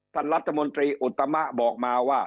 ท่านรัฐมนตรีอุตมะบอกมาว่า